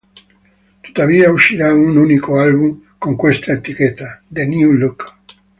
Tuttavia uscirà un unico album con questa etichetta, "The New Look".